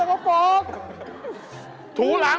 โอเคปะ